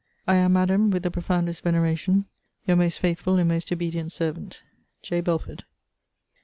I am, Madam, with the profoundest veneration, Your most faithful and most obedient servant, J. BELFORD.